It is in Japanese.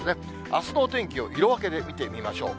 あすのお天気を色分けで見ていきましょう。